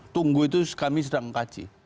tunggu itu kami sedang kaji